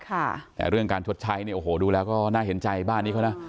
แต่เรื่องการชดใช้เนี่ยโอ้โหดูแล้วก็น่าเห็นใจบ้านนี้เขานะ